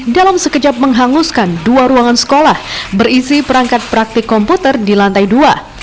dalam sekejap menghanguskan dua ruangan sekolah berisi perangkat praktik komputer di lantai dua